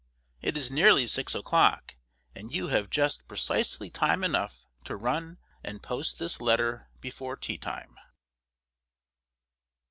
It is nearly six o'clock, and you have just precisely time enough to run and post this letter before tea time."